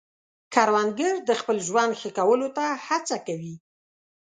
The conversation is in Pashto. کروندګر د خپل ژوند ښه کولو ته هڅه کوي